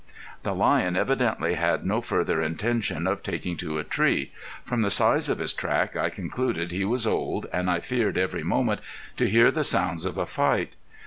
The lion evidently had no further intention of taking to a tree. From the size of his track I concluded he was old and I feared every moment to hear the sounds of a fight.